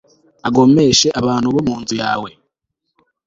agomeshe abantu bo mu nzu yawe